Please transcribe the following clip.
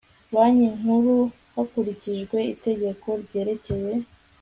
Banki Nkuru hakurikijwe itegeko ryerekeye